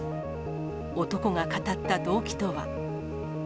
男が語った動機とは。